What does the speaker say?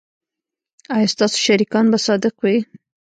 ایا ستاسو شریکان به صادق وي؟